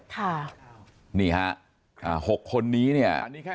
ค่ะนี่อ่ะอ่าหกคนนี้เนี่ยคือ